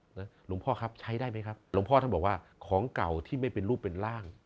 หลวงพ่อครับใช้ได้ไหมครับหลวงพ่อท่านบอกว่าของเก่าที่ไม่เป็นรูปเป็นร่าง